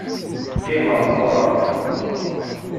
Qqimeɣ, qqureɣ.